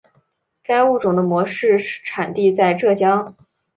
该物种的模式产地在浙江。